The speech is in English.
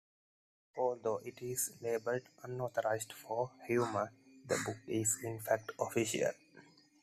Although it is labeled "Unauthorized" for humor, the book is in fact official.